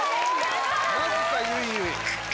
・マジかゆいゆい